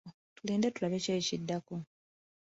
Tulinde tulabe ki ekiddako